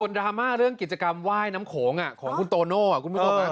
คนดราม่าเรื่องกิจกรรมไหว้น้ำโขงของคุณโตโน่คุณพี่พ่อมา